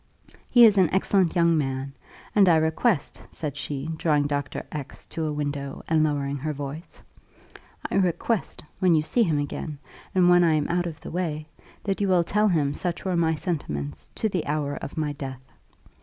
He is an excellent young man; and I request," said she, drawing Dr. X to a window, and lowering her voice, "I request, when you see him again, and when I am out of the way, that you will tell him such were my sentiments to the hour of my death.